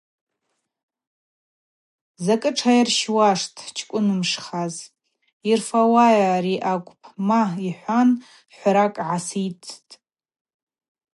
Закӏы тшайырщуаштӏ, чкӏвынмшхаз, йырфауа ари акӏвпӏ, ма, – йхӏван хӏвракӏ гӏаситтӏ.